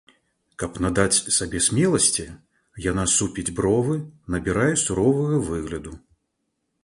Каб надаць сабе смеласці, яна супіць бровы, набірае суровага выгляду.